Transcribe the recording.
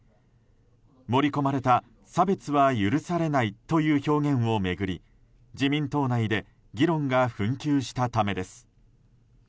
盛り込まれた差別は許されないという表現を巡り自民党内で議論が紛糾したためです。